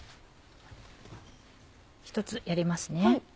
１つやります。